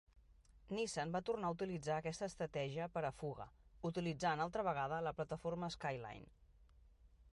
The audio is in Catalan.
Nissan va tornar a utilitzar aquesta estratègia per a Fuga, utilitzant altra vegada la plataforma Skyline.